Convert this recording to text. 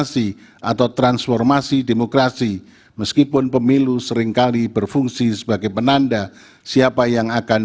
dan seterusnya dianggap telah dibacakan